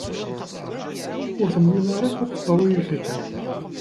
Ur tenwiḍ ara akk ad teḍru yid-k akka.